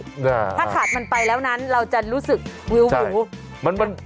ถ้าขาดมันไปแล้วนั้นเราจะรู้สึกวิว